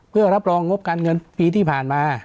เพื่อรับรองงบการเงินปีที่ผ่านมา